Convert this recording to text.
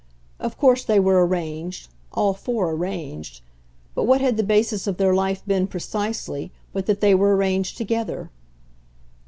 Of course they were arranged all four arranged; but what had the basis of their life been, precisely, but that they were arranged together?